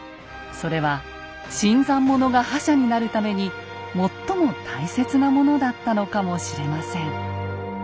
それは新参者が覇者になるために最も大切なものだったのかもしれません。